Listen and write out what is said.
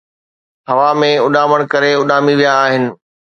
ھوا ۾ اڏامڻ ڪري اُڏامي ويا آھن